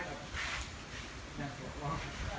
สวัสดีครับคุณผู้ชาย